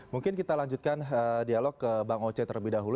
mungkin kita lanjutkan dialog ke bang oce terlebih dahulu